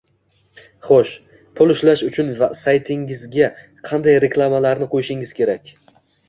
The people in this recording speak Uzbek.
Xo’sh, pul ishlash uchun saytingizga qanday reklamalarni qo’yishingiz kerak